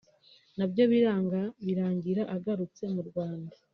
nabyo biranga birangira agarutse mu Rwanda